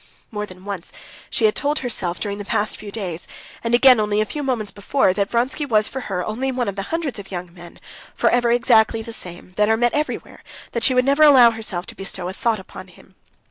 More than once she had told herself during the past few days, and again only a few moments before, that Vronsky was for her only one of the hundreds of young men, forever exactly the same, that are met everywhere, that she would never allow herself to bestow a thought upon him.